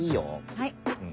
はい。